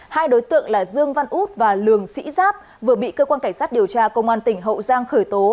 hai đối tượng là dương văn út và lường sĩ giáp vừa bị cơ quan cảnh sát điều tra công an tỉnh hậu giang khởi tố